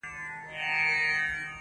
اوس مي د زړه كورگى تياره غوندي دى.